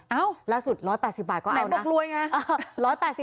เอ้าแหมบอกรวยไง